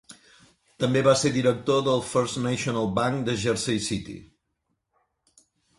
També va ser director del First National Bank de Jersey City.